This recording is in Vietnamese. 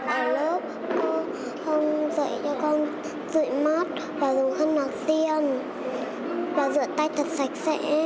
ở lớp cô không dạy cho con rửa mắt và dùng khăn nạc xiên và rửa tay thật sạch sẽ